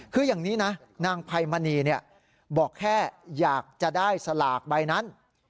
คืออย่างนี้นะนางไพมณีบอกแค่อยากจะได้สลากใบนั้น